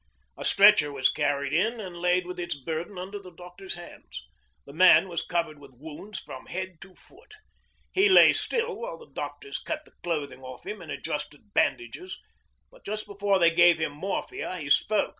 A stretcher was carried in and laid with its burden under the doctor's hands. The man was covered with wounds from head to foot. He lay still while the doctors cut the clothing off him and adjusted bandages, but just before they gave him morphia he spoke.